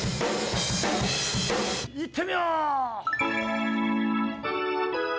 いってみよう。